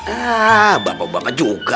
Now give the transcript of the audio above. ah bakal bakal juga